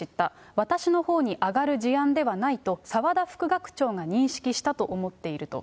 私のほうに上がる事案ではないと澤田副学長が認識したと思っていると。